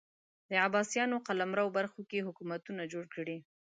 د عباسیانو قلمرو برخو کې حکومتونه جوړ کړي